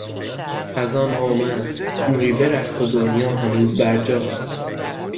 خزان آمد عمری برفت و دنیا هنوز برجاست